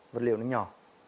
vật liệu nó nhỏ